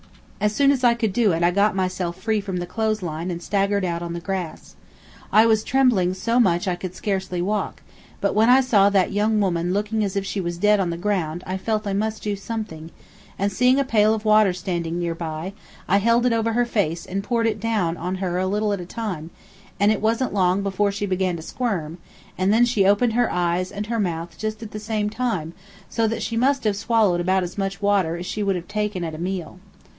As soon as I could do it I got myself free from the clothes line and staggered out on the grass. I was trembling so much I could scarcely walk, but when I saw that young woman looking as if she was dead on the ground I felt I must do something, and seeing a pail of water standing near by, I held it over her face and poured it down on her a little at a time, and it wasn't long before she began to squirm, and then she opened her eyes and her mouth just at the same time, so that she must have swallowed about as much water as she would have taken at a meal.